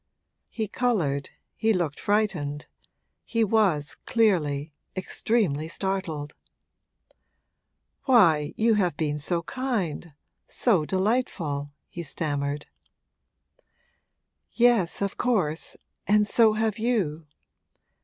He coloured, he looked frightened, he was, clearly, extremely startled. 'Why, you have been so kind, so delightful,' he stammered. 'Yes, of course, and so have you!